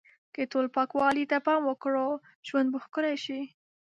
که ټول پاکوالی ته پام وکړو، ژوند به ښکلی شي.